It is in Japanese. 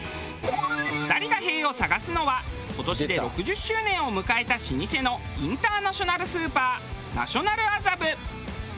２人が「へぇ」を探すのは今年で６０周年を迎えた老舗のインターナショナルスーパーナショナル麻布。